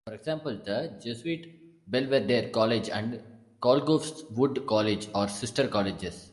For example, the Jesuit Belvedere College and Clongowes Wood College are sister colleges.